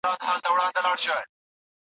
د پوهانو سپارښتنې يې اورېدې.